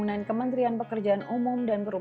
nanti tak rideke juga nunggu